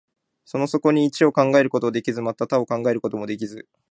その底に一を考えることもできず、また多を考えることもできず、